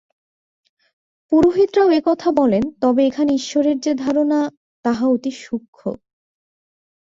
পুরোহিতরাও এ কথা বলেন, তবে এখানে ঈশ্বরের যে ধারণা, তাহা অতি সূক্ষ্ম।